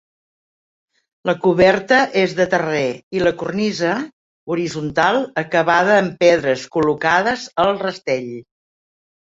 La coberta és de terrer i la cornisa horitzontal acabada amb pedres col·locades al rastell.